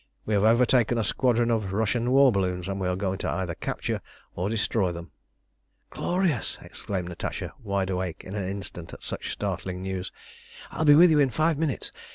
We have overtaken a squadron of Russian war balloons, and we are going either to capture or destroy them." "Glorious!" exclaimed Natasha, wide awake in an instant at such startling news. "I'll be with you in five minutes.